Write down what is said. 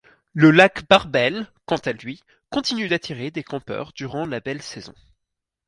Le lac Barbel, quant à lui, continue d'attirer des campeurs durant la belle saison.